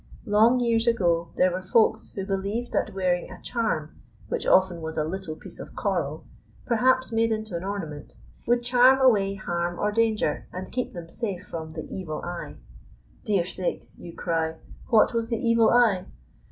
Long years ago there were Folks who believed that wearing a "charm," which often was a little piece of coral, perhaps made into an ornament, would charm away harm or danger, and keep them safe from "the evil eye." "Dear sakes!" you cry, "what was 'the evil eye'?"